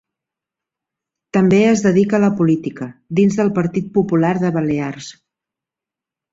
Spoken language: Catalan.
També es dedicà a la política, dins del Partit Popular de Balears.